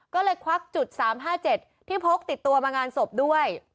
ก็เลยควักจุด๓๕๗ที่พกติดตัวมางานศพด้วย